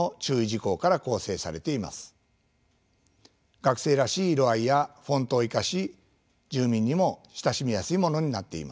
学生らしい色合いやフォントを生かし住民にも親しみやすいものになっています。